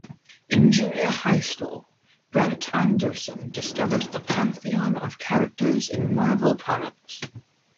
In junior high school, Brent Anderson discovered the pantheon of characters in Marvel Comics.